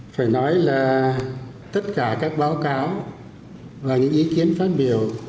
phải nói là tất cả các báo cáo và những ý kiến phát biểu